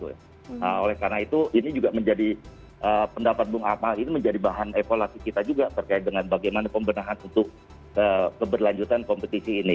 nah oleh karena itu ini juga menjadi pendapat bung akmal ini menjadi bahan evaluasi kita juga terkait dengan bagaimana pembenahan untuk keberlanjutan kompetisi ini